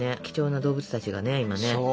貴重な動物たちがね今ね。